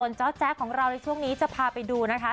เจ้าแจ๊กของเราในช่วงนี้จะพาไปดูนะคะ